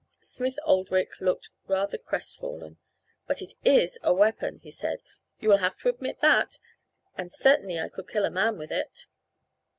Smith Oldwick looked rather crestfallen. "But it is a weapon," he said. "You will have to admit that, and certainly I could kill a man with it."